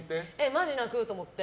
マジ泣くと思って。